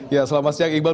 ya selamat siang iqbal